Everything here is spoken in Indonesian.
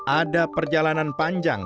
ada perjalanan panjang